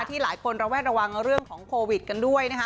ที่หลายคนระแวดระวังเรื่องของโควิดกันด้วยนะคะ